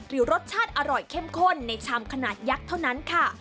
รสชาติอร่อยเข้มข้นในชามขนาดยักษ์เท่านั้นค่ะ